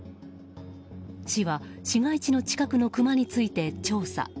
市は、市街地の近くのクマについて調査。